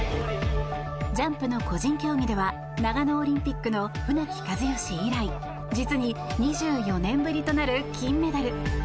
ジャンプの個人競技では長野オリンピックの船木和喜以来実に２４年ぶりとなる金メダル。